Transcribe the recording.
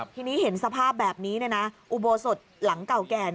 ทีนี้เห็นสภาพแบบนี้อุโบสถหลังเก่าแก่